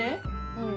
うん。